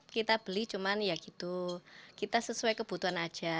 kita sesuai kebutuhan aja